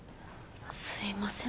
すいません